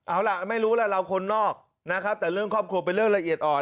เอาล่ะไม่รู้ล่ะเราคนนอกนะครับแต่เรื่องครอบครัวเป็นเรื่องละเอียดอ่อน